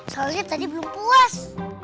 soalnya tadi belum puas